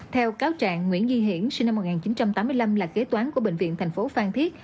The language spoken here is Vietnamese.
theo cáo trạng nguyễn di hiển sinh năm một nghìn chín trăm tám mươi năm là kế toán của bệnh viện thành phố phan thiết